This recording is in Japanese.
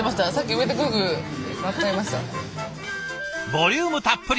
ボリュームたっぷり。